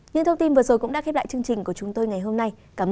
những thông tin vừa rồi cũng đã khép lại chương trình của chúng tôi ngày hôm nay cảm ơn